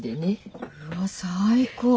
うわ最高。